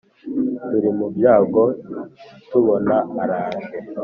Turi mu byago tubona araje